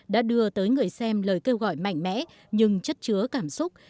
đã đưa tới người xem lời kêu gọi mạnh mẽ nhưng chất chứa cảm xúc